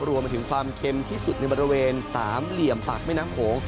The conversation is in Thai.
รวมไปถึงความเค็มที่สุดในบริเวณสามเหลี่ยมปากแม่น้ำโขง